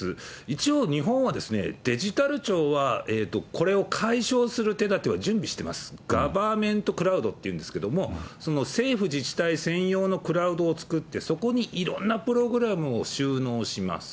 一応、日本はデジタル庁は、これを解消する手立ては準備してます、ガバーメントクラウドっていうんですけど、その政府自治体専用のクラウドを作って、そこにいろんなプログラムを収納します。